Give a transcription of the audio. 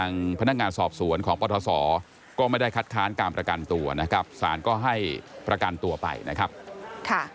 ทางพนักงานสอบสวนของปทศก็ไม่ได้คัดค้านการประกันตัวนะครับสารก็ให้ประกันตัวไปนะครับค่ะ